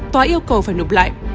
tòa yêu cầu phải nộp lại